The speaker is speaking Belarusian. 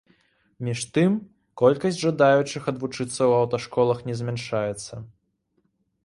Між тым, колькасць жадаючых адвучыцца ў аўташколах не змяншаецца.